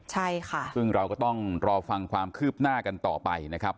ใช่ค่ะซึ่งเราก็ต้องรอฟังความคืบหน้ากันต่อไปนะครับ